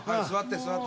座って。